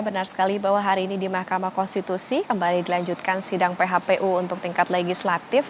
benar sekali bahwa hari ini di mahkamah konstitusi kembali dilanjutkan sidang phpu untuk tingkat legislatif